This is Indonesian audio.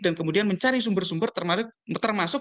dan kemudian mencari sumber sumber termasuk